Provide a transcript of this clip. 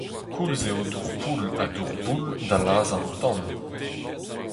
Koulz eo dour poull ha dour boull da lazhañ an tan.